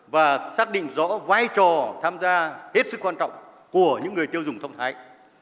và xác định rõ vai trò tham gia hết sức quan trọng của những người tiêu dùng thông thái